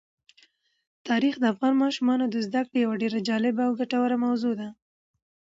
تاریخ د افغان ماشومانو د زده کړې یوه ډېره جالبه او ګټوره موضوع ده.